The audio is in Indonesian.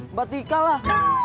mbak tika lah